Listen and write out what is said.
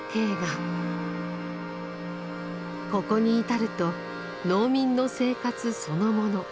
ここに至ると農民の生活そのもの